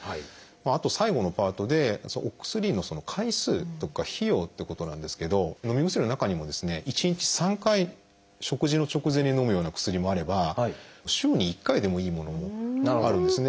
あと最後のパートでお薬の回数とか費用ってことなんですけどのみ薬の中にも１日３回食事の直前にのむような薬もあれば週に１回でもいいものもあるんですね。